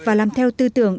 và làm theo tư tưởng